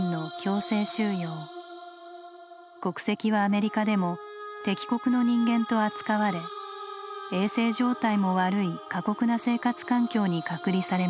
国籍はアメリカでも敵国の人間と扱われ衛生状態も悪い過酷な生活環境に隔離されました。